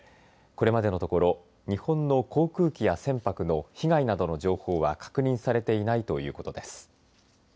これまでのところ日本の航空機や船舶の被害などの情報は確認されていないということです。